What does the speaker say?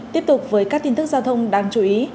tiếp tục với các tin tức giao thông đáng chú ý